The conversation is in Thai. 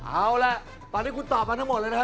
เอาล่ะตอนนี้คุณตอบมาทั้งหมดเลยนะครับ